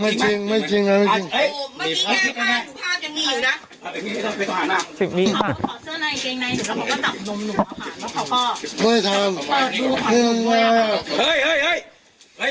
ไม่ว่าเมื่อกี้เข้ามาเนี่ยกำลังจะเอาซีอุ้มใส่ล่ะ